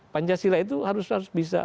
pancasila itu harus bisa